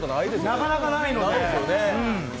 なかなかないので。